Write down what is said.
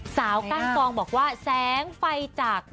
ก้านกองบอกว่าแสงไฟจาก